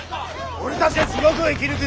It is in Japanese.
俺たちは地獄を生き抜くんじゃ！